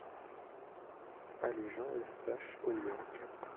Allée Jean Eustache au numéro quatre